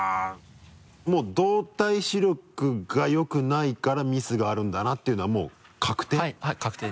もう動体視力が良くないからミスがあるんだなっていうのはもう確定？